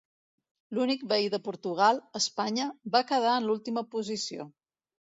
L'únic veí de Portugal, Espanya, va quedar en l'última posició.